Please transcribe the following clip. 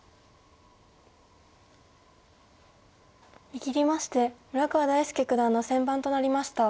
握りまして村川大介九段の先番となりました。